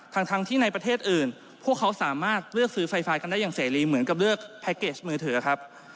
ทั้งที่ในประเทศอื่นพวกเขาสามารถเลือกซื้อไฟฟ้ากันได้อย่างเสรีเหมือนกับเลือกแพ็คเกจมือถือครับ